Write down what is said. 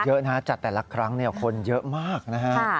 เยอะนะครับจัดแต่ละครั้งคนเยอะมากนะครับ